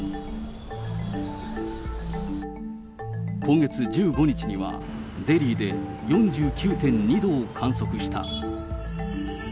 今月１５日には、デリーで４９．２度を観測した。